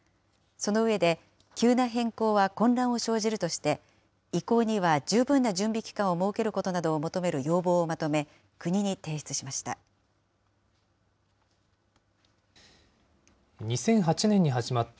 その上で、急な変更は混乱を生じるとして、移行には十分な準備期間を設けることなどを求める要望をまとめ、国に提出しました。